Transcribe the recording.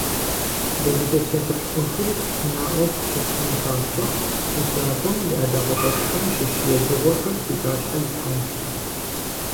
Дызытепсэлъыхь Ӏуэхур наӀуэ фщытщӀын папщӀэ усакӀуэм и ӀэдакъэщӀэкӀхэм щыщ едзыгъуэхэр фи пащхьэ итлъхьэнщ.